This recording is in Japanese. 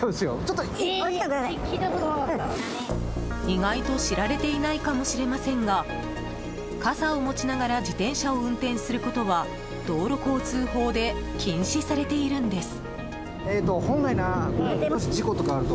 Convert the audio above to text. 意外と知られていないかもしれませんが傘を持ちながら自転車を運転することは道路交通法で禁止されているんです。